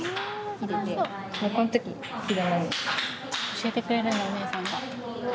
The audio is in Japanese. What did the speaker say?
教えてくれるんだおねえさんが。